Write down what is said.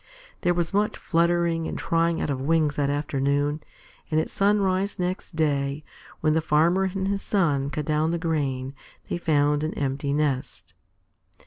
There was much fluttering and trying out of wings that afternoon, and at sunrise next day, when the Farmer and his son cut down the grain, they found an empty nest.